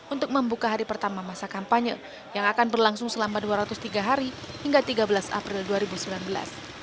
untuk membuka hari pertama masa kampanye yang akan berlangsung selama dua ratus tiga hari hingga tiga belas april dua ribu sembilan belas